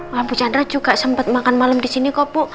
mbak andin juga sempet makan malam di sini kok bu